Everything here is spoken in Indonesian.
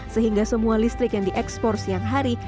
sehingga semua listrik yang diekspor siang hari